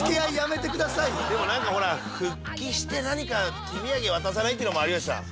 でも何かほら復帰して何か手土産渡さないっていうのも有吉さん。